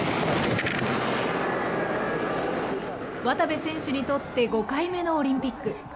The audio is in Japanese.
渡部選手にとって５回目のオリンピック。